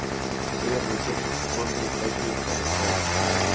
Ella regreso pronto a los Estados Unidos para recuperarse.